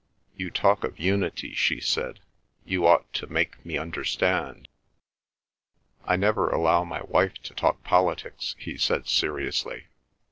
"You talk of unity," she said. "You ought to make me understand." "I never allow my wife to talk politics," he said seriously.